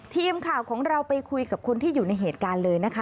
ทีมข่าวของเราไปคุยกับคนที่อยู่ในเหตุการณ์เลยนะคะ